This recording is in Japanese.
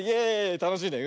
たのしいね。